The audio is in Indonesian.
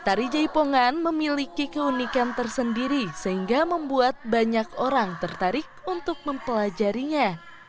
tari jaipongan memiliki keunikan tersendiri sehingga membuat banyak orang tertarik untuk mempelajarinya